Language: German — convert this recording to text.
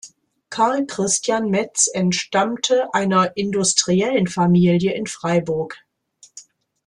Carl Christian Mez entstammte einer Industriellenfamilie in Freiburg.